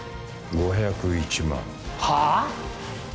５０１万はあ？